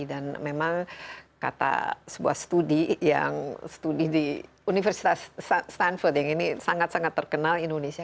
dan memang kata sebuah studi yang studi di universitas stanford yang ini sangat sangat terkenal indonesia